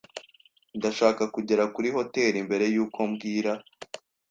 Ndashaka kugera kuri hoteri mbere yuko bwira.